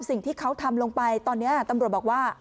สิ่งที่เขาทำลงไปตอนนี้ตำรวจบอกว่า